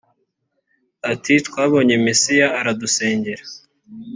ati twabonye mesiya aradusengere